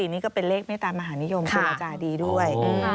นี่ก็เป็นเลขเมตามหานิยมครูอาจารย์ดีด้วย